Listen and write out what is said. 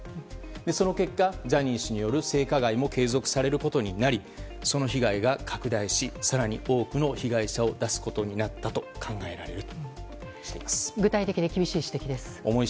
その結果ジャニー氏による性加害も継続されることになりその被害が拡大し、更に多くの被害者を出すことになったと具体的で厳しい指摘ですね。